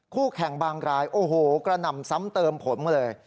คู่แข่งบางรายกระหน่ำซ้ำเติมผมเลย